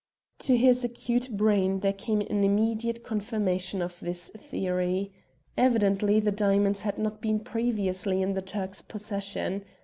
To his acute brain there came an immediate confirmation of his theory. Evidently the diamonds had not been previously in the Turk's possession.